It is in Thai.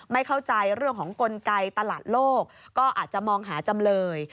ไม่เข้าใจเรื่องของกลไกตลาดโลกก็อาจจะมองหาจำเลย